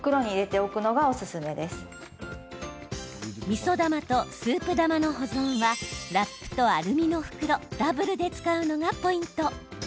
みそ玉とスープ玉の保存はラップとアルミの袋ダブルで使うのがポイント。